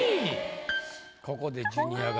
ここでジュニアが。